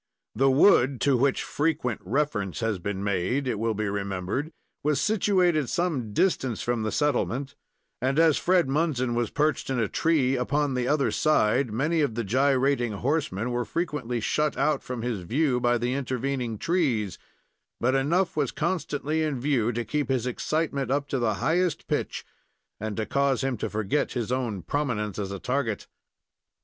The wood to which frequent reference has been made, it will be remembered, was situated some distance from the settlement, and, as Fred Munson was perched in a tree upon the other side, many of the gyrating horsemen were frequently shut out from his view by the intervening trees; but enough was constantly in view to keep his excitement up to the highest pitch, and to cause him to forget his own prominence as a target.